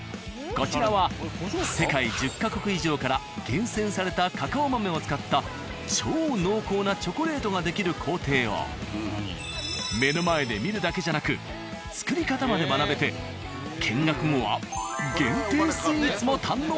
こちらは世界１０か国以上から厳選されたカカオ豆を使った超濃厚なチョコレートが出来る工程を目の前で見るだけじゃなく作り方まで学べて見学後は限定スイーツも堪能。